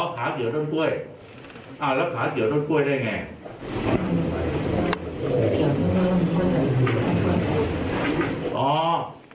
ขาเกี่ยวต้นกล้วยอ้าวแล้วขาเกี่ยวต้นกล้วยได้ไง